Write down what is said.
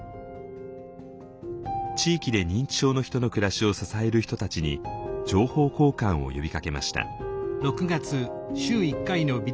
地域で認知症の人の暮らしを支える人たちに情報交換を呼びかけました。